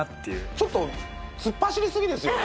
ちょっと突っ走りすぎですよね。